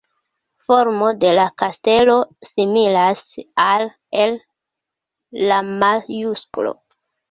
Formo de la kastelo similas al L-majusklo.